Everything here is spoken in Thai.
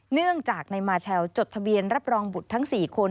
เนื่องจากนายมาแชลจดทะเบียนรับรองบุตรทั้ง๔คน